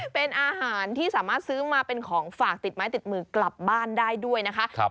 เป็นอาหารที่สามารถซื้อมาเป็นของฝากติดไม้ติดมือกลับบ้านได้ด้วยนะคะ